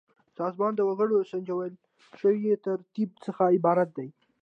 سازمان د وګړو له سنجول شوي ترتیب څخه عبارت دی.